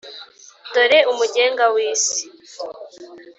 dore umugenga wi si